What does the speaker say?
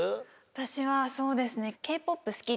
私はそうですね。